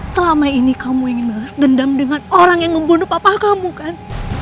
selama ini kamu ingin berdendam dengan orang yang membunuh papa kamu kan